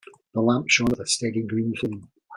The lamp shone with a steady green flame.